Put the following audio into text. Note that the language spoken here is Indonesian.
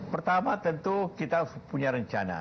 pertama tentu kita punya rencana